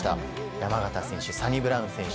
山縣選手、サニブラウン選手